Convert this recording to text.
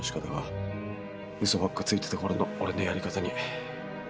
嘘ばっかついてた頃の俺のやり方に。